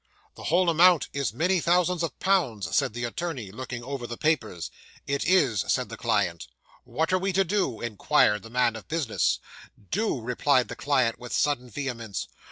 '"The whole amount is many thousands of pounds," said the attorney, looking over the papers. '"It is," said the client. '"What are we to do?" inquired the man of business. '"Do!" replied the client, with sudden vehemence.